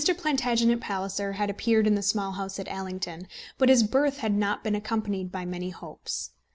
Plantagenet Palliser had appeared in The Small House at Allington, but his birth had not been accompanied by many hopes.